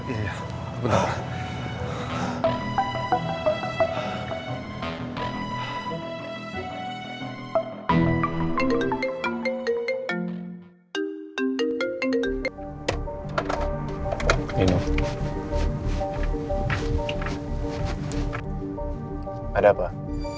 iya iya bentar pak